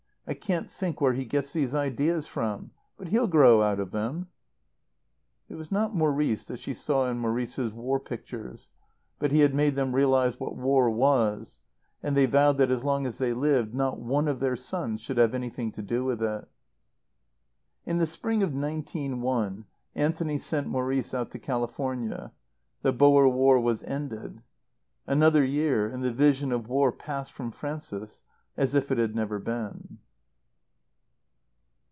I can't think where he gets these ideas from. But he'll grow out of them." It was not Maurice that she saw in Maurice's war pictures. But he had made them realize what war was; and they vowed that as long as they lived not one of their sons should have anything to do with it. In the spring of nineteen one Anthony sent Maurice out to California. The Boer War was ended. Another year, and the vision of war passed from Frances as if it had never been.